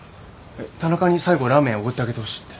田中に最後ラーメンおごってあげてほしいって。